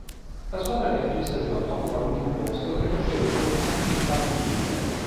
La squadra che a fine stagione occupa l'ultimo posto retrocede direttamente in Challenge League.